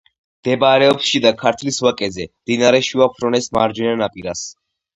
მდებარეობს შიდა ქართლის ვაკეზე, მდინარე შუა ფრონეს მარჯვენა ნაპირას.